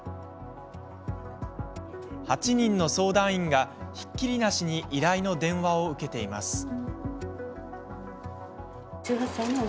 ８人の相談員が、ひっきりなしに依頼の電話を受けています。